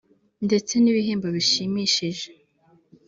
ndetse n’ibihembo bishimishije